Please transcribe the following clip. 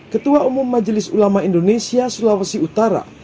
ketua umum majelis ulama indonesia sulawesi utara